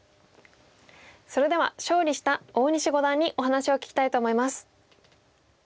それでは勝利した大西五段にお話を聞きたいと思います。